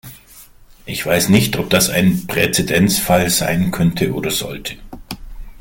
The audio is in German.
Ich weiß nicht, ob das ein Präzedenzfall sein könnte oder sollte.